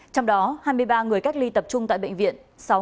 trong đó hai mươi ba người cách ly tập trung tại bệnh viện